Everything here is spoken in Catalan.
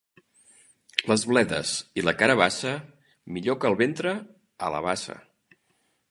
Les bledes i la carabassa, millor que al ventre, a la bassa.